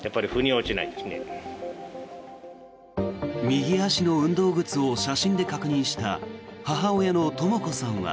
右足の運動靴を写真で確認した母親のとも子さんは。